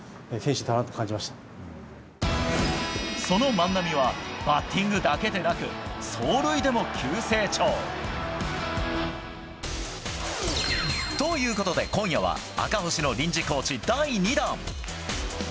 その万波はバッティングだけでなく走塁でも急成長。ということで今夜は赤星の臨時コーチ第２弾。